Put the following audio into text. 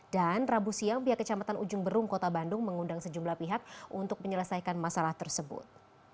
dan rabu siang pihak kecamatan ujung berung kota bandung mengundang sejumlah pihak untuk menyelesaikan masalah tersebut